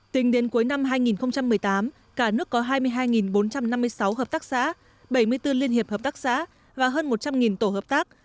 tính đến cuối năm hai nghìn một mươi tám cả nước có hai mươi hai bốn trăm năm mươi sáu hợp tác xã bảy mươi bốn liên hiệp hợp tác xã và hơn một trăm linh tổ hợp tác